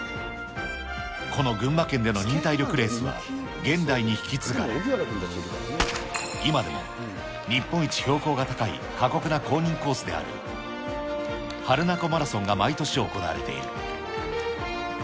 この群馬県での忍耐力レースは、現代に引き継がれ、今でも日本一標高が高い過酷な公認コースである榛名湖マラソンが毎年行われている。